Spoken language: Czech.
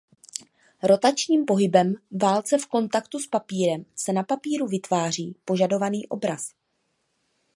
Rotačním pohybem válce v kontaktu s papírem se na papíru vytváří požadovaný obraz.